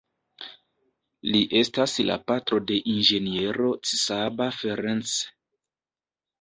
Li estas la patro de inĝeniero Csaba Ferencz.